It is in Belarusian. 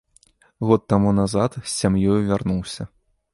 Год таму назад з сям'ёю вярнуўся.